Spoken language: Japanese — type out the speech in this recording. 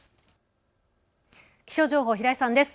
気象情報、平井さんです。